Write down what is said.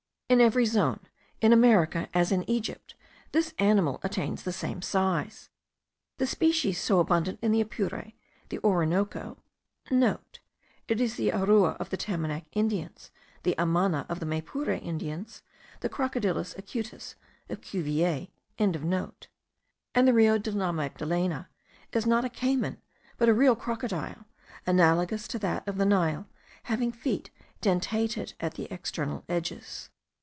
In every zone, in America as in Egypt, this animal attains the same size. The species so abundant in the Apure, the Orinoco,* (* It is the arua of the Tamanac Indians, the amana of the Maypure Indians, the Crocodilus acutus of Cuvier.) and the Rio de la Magdalena, is not a cayman, but a real crocodile, analogous to that of the Nile, having feet dentated at the external edges.